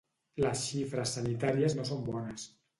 Les xifres sanitàries no són bones.